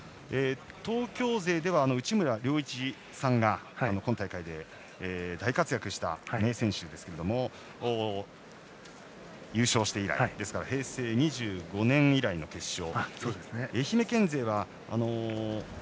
東京勢では内村良一さん。本大会で大活躍した選手ですが優勝して以来ですから平成２５年以来の決勝。